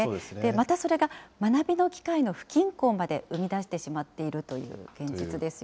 またそれが、学びの機会の不均衡まで生み出してしまっているという現実ですよ